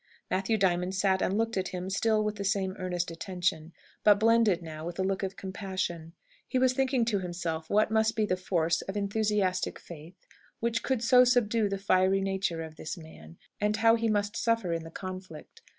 Matthew Diamond sat and looked at him still with the same earnest attention; but blended, now, with a look of compassion. He was thinking to himself what must be the force of enthusiastic faith, which could so subdue the fiery nature of this man, and how he must suffer in the conflict.